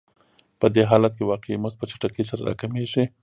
په دې حالت کې واقعي مزد په چټکۍ سره راکمېږي